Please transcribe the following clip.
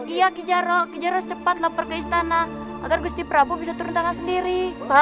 iya kijaro kijaro cepat loper ke istana agar gusti prabowo bisa turun tangan sendiri